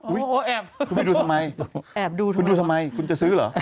โอ้โหแอบคุณไปดูทำไมแอบดูสิคุณดูทำไมคุณจะซื้อเหรอ